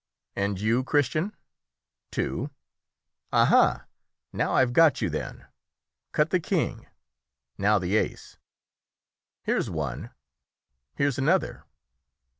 "And you, Christian?" "Two." "Aha! now I have got you, then. Cut the king now the ace here's one, here's another.